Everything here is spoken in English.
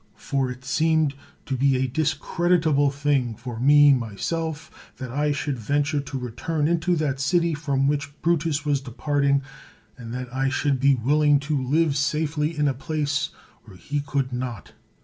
For it seemed to be a discreditable thing for me myself, that I should venture to return into that city 152 CICERO from which Brutus was departing, and that I should be willing to live safely in a place where he could not.